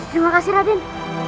terima kasih raden